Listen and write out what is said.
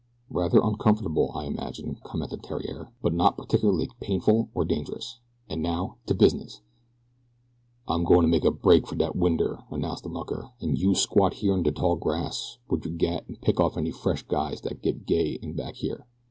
"Rather uncomfortable, I imagine," commented Theriere; "but not particularly painful or dangerous and now to business!" "I'm goin' to make a break fer dat winder," announced the mucker, "and youse squat here in de tall grass wid yer gat an' pick off any fresh guys dat get gay in back here.